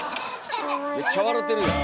めっちゃ笑てるやん。